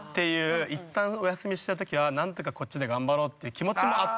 一旦お休みした時は何とかこっちで頑張ろうっていう気持ちもあって。